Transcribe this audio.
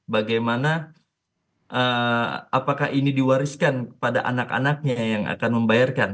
bagaimana apakah ini diwariskan pada anak anaknya yang akan membayarkan